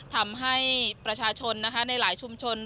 ทำให้ประชาชนในหลายชุมชน